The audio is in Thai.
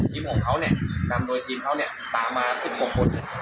ของเขาเนี่ยนำโดยทีมเขาเนี่ยตามมา๑๖คน